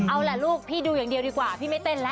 เอาล่ะลูกพี่ดูอย่างเดียวดีกว่าพี่ไม่เต้นแล้ว